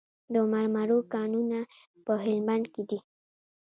د مرمرو کانونه په هلمند کې دي